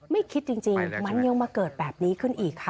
ไม่คิดจริงมันยังมาเกิดแบบนี้ขึ้นอีกค่ะ